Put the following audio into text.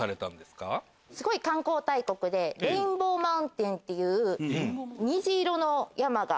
すごい観光大国でレインボーマウンテンっていう虹色の山が。